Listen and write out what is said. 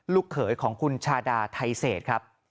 เขยของคุณชาดาไทเศษครับ